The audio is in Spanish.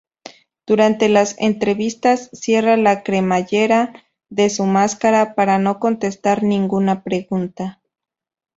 Durante las entrevistas, cierra la cremallera de su máscara para no contestar ninguna pregunta.